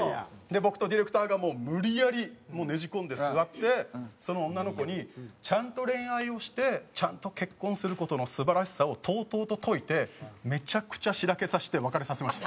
僕とディレクターがもう無理やりねじ込んで座ってその女の子にちゃんと恋愛をしてちゃんと結婚する事の素晴らしさをとうとうと説いてめちゃくちゃしらけさせて別れさせました。